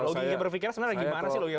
logiknya berpikir sebenarnya bagaimana sih